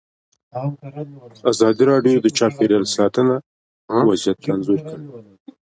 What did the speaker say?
ازادي راډیو د چاپیریال ساتنه وضعیت انځور کړی.